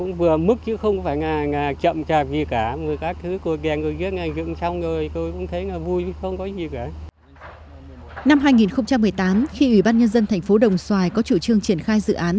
năm hai nghìn một mươi tám khi ủy ban nhân dân thành phố đồng xoài có chủ trương triển khai dự án